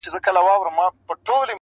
په تا هيـــــڅ خــــبر نـــه يــــم.